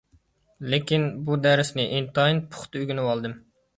لېكىن، بۇ دەرسنى ئىنتايىن پۇختا ئۆگىنىۋالدىم.